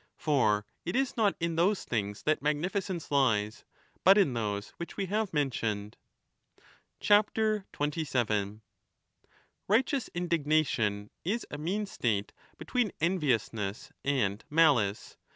For it is not in those things that magnificence lies, but in those which we have mentioned. Righteous indignation is a mean state between envious 27 ness and malice.